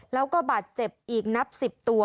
แล้วก็บาดเจ็บอีกนับ๑๐ตัว